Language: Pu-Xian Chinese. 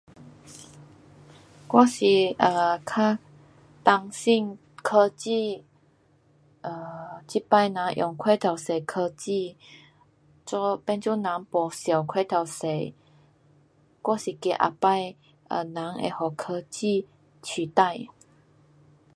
我是 um 较担心科技 um 这次人用过头多科技做，变做人没想过头多，我是怕以后 um 人会给科技取代。